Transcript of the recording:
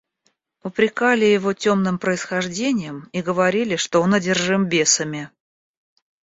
Упрекали его темным происхождением и говорили, что он одержим бесами.